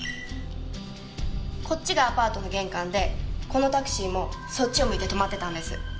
こっちがアパートの玄関でこのタクシーもそっちを向いて止まってたんです。